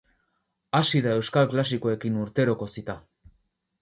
Hasi da euskal klasikoekin urteroko zita.